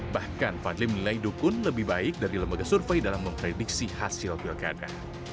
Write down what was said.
bahkan fadli menilai dukun lebih baik dari lembaga survei dalam memprediksi hasil pilkada